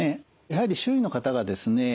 やはり周囲の方がですね